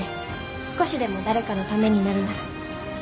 少しでも誰かのためになるなら。